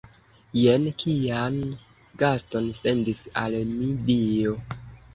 Jen kian gaston sendis al mi Dio!